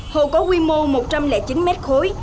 hồ có quy mô một trăm linh chín mét khối